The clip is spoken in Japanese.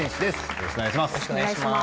よろしくお願いします。